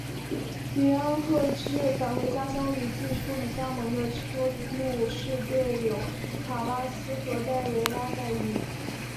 云安贺治返回家乡与季初已加盟的车路士队友卡拉斯和戴维拉再遇。